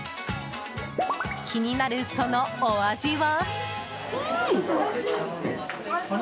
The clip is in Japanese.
気になるそのお味は。